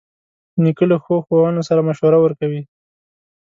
نیکه له ښو ښوونو سره مشوره ورکوي.